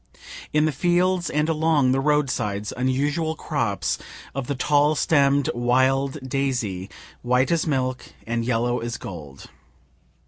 In the fields and along the road sides unusual crops of the tall stemm'd wild daisy, white as milk and yellow as gold.